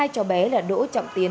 hai chó bé đã đổ chậm tiến